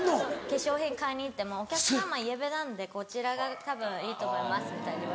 化粧品買いに行っても「お客様イエベなんでこちらがたぶんいいと思います」みたいに言われるんです。